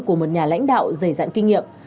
của một nhà lãnh đạo dày dạn kinh nghiệm